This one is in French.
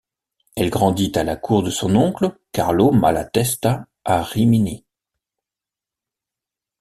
Elle grandit à la cour de son oncle Carlo Malatesta à Rimini.